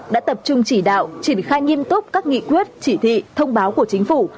đã tập trung chỉ đạo triển khai nghiêm túc các nghị quyết chỉ thị thông báo của chính phủ